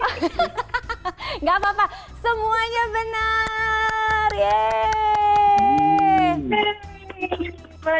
hahaha nggak apa apa semuanya benar ya